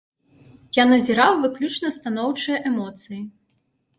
Я назіраў выключна станоўчыя эмоцыі.